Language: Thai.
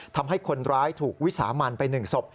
ทำให้คนร้ายถูกวิสามันไป๑ศพ